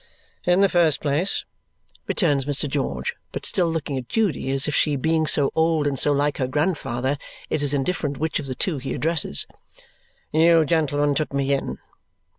"In the first place," returns Mr. George, but still looking at Judy as if she being so old and so like her grandfather it is indifferent which of the two he addresses, "you gentlemen took me in.